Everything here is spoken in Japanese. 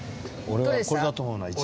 俺はこれだと思うな一番下。